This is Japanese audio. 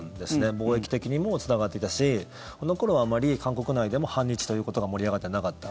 貿易的にもつながっていたしあの頃は、あまり韓国内でも反日ということが盛り上がってなかった。